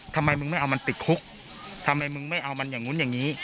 ทำไมมึงไม่เอามันติดคุกทำไมมึงไม่เอามันอย่างนู้นอย่างนี้